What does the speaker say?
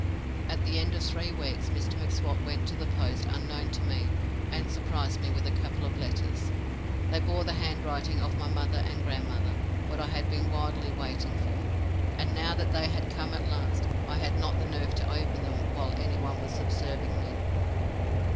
At the end of three weeks Mr M'Swat went to the post unknown to me, and surprised me with a couple of letters. They bore the handwriting of my mother and grandmother what I had been wildly waiting for, and now that they had come at last I had not the nerve to open them while any one was observing me.